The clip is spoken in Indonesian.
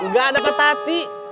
gak ada ketati